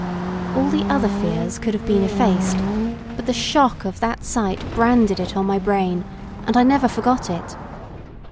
All the other fears could have been effaced but the shock of that sight branded it on my brain, and I never forgot it.